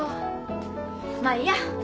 まあいいや。